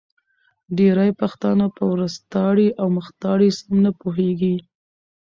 ډېری پښتانه په وروستاړې او مختاړې سم نه پوهېږې